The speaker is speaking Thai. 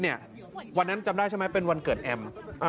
วันหน้าที่จะจำได้ใช่ไหมเป็นวันเกิดแอม